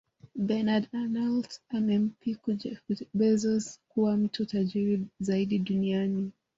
Bernard Arnault amempiku Jeff Bezos na kuwa mtu tajiri zaidi duniani